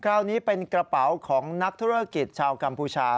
คราวนี้เป็นกระเป๋าของนักธุรกิจชาวกัมพูชา